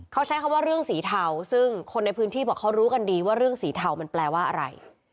เขาใช้คำว่าเรื่องสีเทาซึ่งคนในพื้นที่บอกเขารู้กันดีว่าเรื่องสีเทามันแปลว่าอะไร